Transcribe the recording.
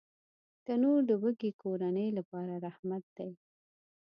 تنور د وږې کورنۍ لپاره رحمت دی